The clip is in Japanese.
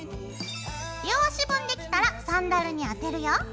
両足分できたらサンダルにあてるよ。